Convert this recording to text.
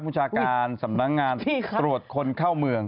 ประชาการสำนักงานตรวจคนเข้าเมือง